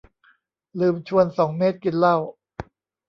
ลืมชวนสองเมตรกินเหล้า